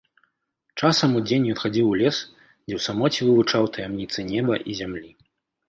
Часам удзень ён хадзіў у лес, дзе ў самоце вывучаў таямніцы неба і зямлі.